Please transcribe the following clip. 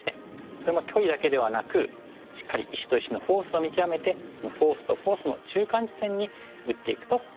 それも距離だけではなくしっかり石と石のフォースを見極めてそのフォースとフォースの中間地点に打っていくとすごくいいかなと。